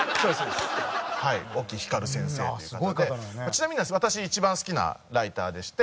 ちなみになんですけど私一番好きなライターでして。